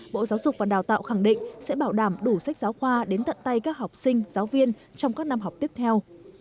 bộ giáo dục và đào tạo khẳng định sẽ bảo đảm đủ sách giáo khoa đến tận tay các học sinh giáo viên trong các năm học tiếp theo